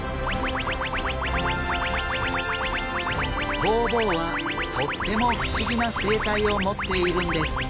ホウボウはとっても不思議な生態を持っているんです。